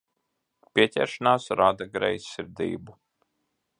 Pieķeršanās rada greizsirdību.